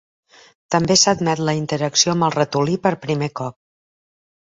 També s'admet la interacció amb el ratolí per primer cop.